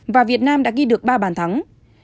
và việt nam đã ghi được ba bàn thắng